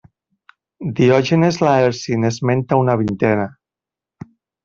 Diògenes Laerci n'esmenta una vintena.